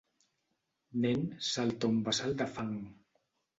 nen salta un bassal de fang.